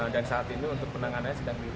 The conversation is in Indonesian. dan saat ini untuk penanganannya sedang ditangkap